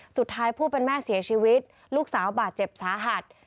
สุดท้ายผู้เป็นแม่เสียชีวิตลูกสาวบาดเจ็บสาหัส